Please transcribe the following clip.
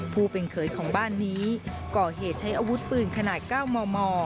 ผู้เป็นเขยของบ้านนี้ก่อเหตุใช้อาวุธปืนขนาด๙มม